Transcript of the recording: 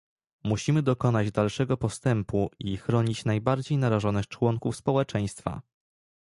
musimy dokonać dalszego postępu i chronić najbardziej narażonych członków społeczeństwa